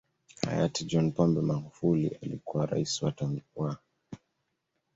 Hayati John Pombe Magufuli aliyekuwa Rais wa